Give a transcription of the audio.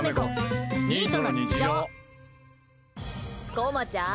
こまちゃん